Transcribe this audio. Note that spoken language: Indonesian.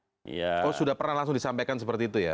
oh sudah pernah langsung disampaikan seperti itu ya